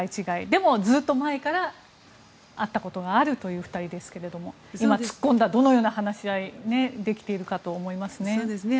でもずっと前から会ったことがあるという２人ですが今、突っ込んだどのような話し合いができているかと思いますね。